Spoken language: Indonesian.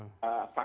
tetapi kalau dikais